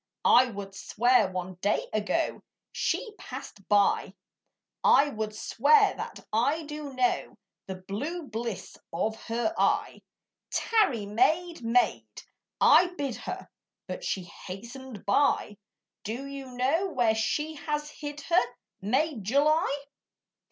I would swear one day ago She passed by, I would swear that I do know The blue bliss of her eye: "Tarry, maid, maid," I bid her; But she hastened by. Do you know where she has hid her, Maid July?